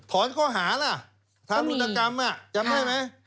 ถอนก็หาล่ะทางรุนกรรมนี่จำได้ไหมค่ะ